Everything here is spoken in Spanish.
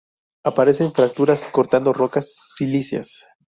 Aparece en fracturas cortando rocas silíceas.